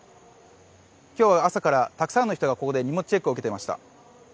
今日朝からたくさんの人がここで荷物チェックを受けていました。